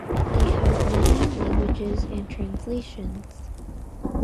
They have many languages and translations.